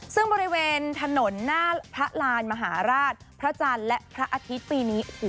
ซึ่งบริเวณถนนหน้าพระรานมหาราชพระจันทร์และพระอาทิตย์ปีนี้